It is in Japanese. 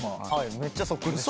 めちゃそっくりでした。